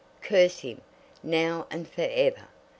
"Curse him, now and for ever!"